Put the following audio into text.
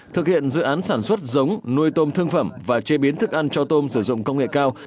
thực hiện dự án sản xuất giống nuôi tôm thương phẩm và chế biến thức ăn cho tôm sử dụng công nghệ cao